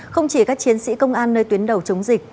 không chỉ các chiến sĩ công an nơi tuyến đầu chống dịch